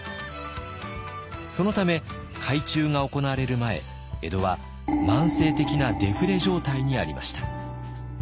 そのため改鋳が行われる前江戸は慢性的なデフレ状態にありました。